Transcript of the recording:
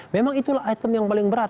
memang itulah item yang paling berat